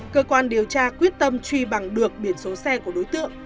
cơ quan điều tra quyết tâm truy bằng được biển số xe của đối tượng